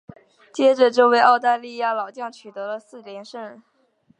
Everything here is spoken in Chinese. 接着这位澳大利亚老将取得了四连胜。